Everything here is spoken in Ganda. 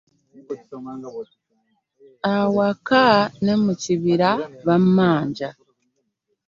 Ewaka n'emukibira bamanja .